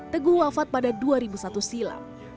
teguh wafat pada dua ribu satu silam